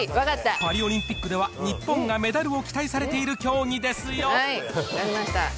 パリオリンピックでは日本がメダルを期待されている競技です分かりました。